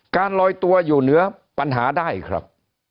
ลอยตัวอยู่เหนือปัญหาได้ครับ